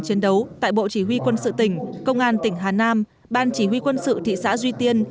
chiến đấu tại bộ chỉ huy quân sự tỉnh công an tỉnh hà nam ban chỉ huy quân sự thị xã duy tiên